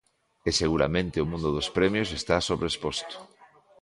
E seguramente o mundo dos premios está sobreexposto.